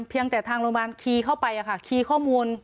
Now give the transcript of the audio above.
เพียงแต่ทางโรงพยาบาลคีย์เข้าไปคีย์ข้อมูล